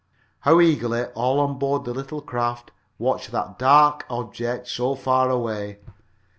How eagerly all on board the little craft watched that dark object so far away!